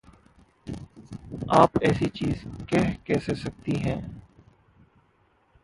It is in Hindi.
आप ऐसी चीज़ कह कैसे सकतीं हैं?